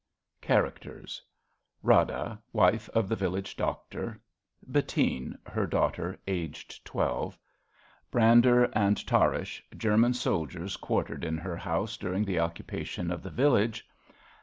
CHARACTERS Rada, wife of the village doctor. Bettine, her daughter, aged twelve. {German soldiers quartered in her house during the occupation of the village.